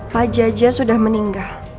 pak jajah sudah meninggal